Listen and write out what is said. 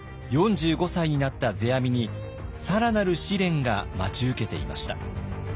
４５歳になった世阿弥に更なる試練が待ち受けていました。